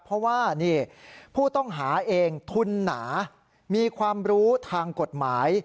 เพราะว่านี่ผู้ต้องหาเองทุนหนามีความรู้ทางกฎหมาย